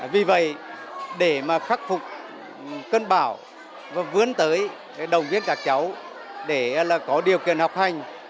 vì vậy để mà khắc phục cơn bão và vươn tới đồng viên các cháu để có điều kiện học hành